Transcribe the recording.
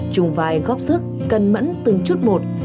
chùng vai góp sức cân mẫn từng chút một